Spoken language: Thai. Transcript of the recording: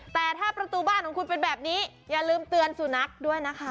แต่ถ้าประตูบ้านของคุณเป็นแบบนี้อย่าลืมเตือนสุนัขด้วยนะคะ